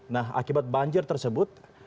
nah akibat banjir tersebut